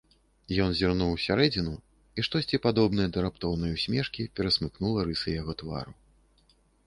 Ён зірнуў усярэдзіну, і штосьці падобнае да раптоўнай усмешкі перасмыкнула рысы яго твару.